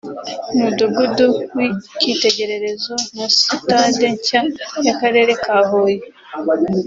umudugudu w’ikitegererezo na Sitade nshya y’akarere ka Huye